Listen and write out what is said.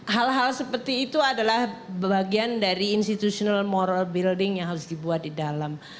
hal hal seperti itu adalah bagian dari institutional moral building yang harus dibuat di dalam